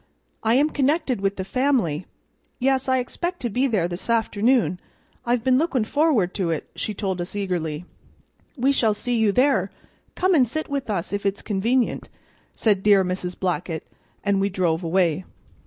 "I am connected with the family. Yes, I expect to be there this afternoon. I've been lookin' forward to it," she told us eagerly. "We shall see you there. Come and sit with us if it's convenient," said dear Mrs. Blackett, and we drove away.